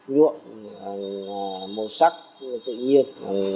nhuộm màu sắc tự nhiên